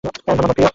ধন্যবাদ, প্রিয়।